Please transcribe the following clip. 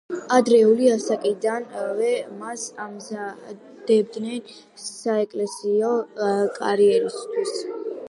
ადრეული ასაკიდანვე მას ამზადებდნენ საეკლესიო კარიერისთვის.